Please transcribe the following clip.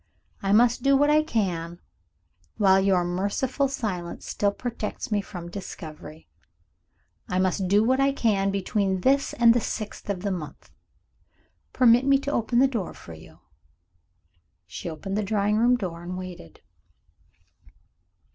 I must do what I can, while your merciful silence still protects me from discovery I must do what I can between this and the sixth of the month. Permit me to open the door for you." She opened the drawing room door, and waited.